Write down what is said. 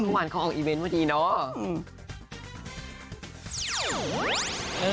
พระหวานเขาออกอีเวนต์เหนื่อยดีเนอะ